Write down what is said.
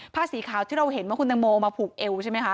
ผ้าสีขาวที่เราเห็นว่าคุณตังโมเอามาผูกเอวใช่ไหมคะ